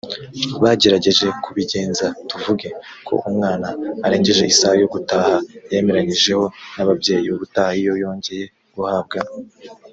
bagerageje kubigenza tuvuge ko umwana arengeje isaha yo gutaha yemeranyijeho n ababyeyi ubutaha iyo yongeye guhabwa